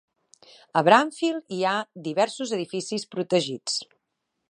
A Bramfield hi ha diversos edificis protegits.